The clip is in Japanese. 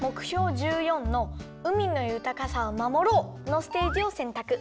１４の「うみのゆたかさをまもろう」のステージをせんたく。